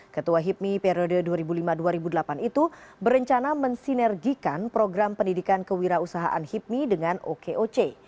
ketua hipmi periode dua ribu lima dua ribu delapan itu berencana mensinergikan program pendidikan kewirausahaan hipmi dengan okoc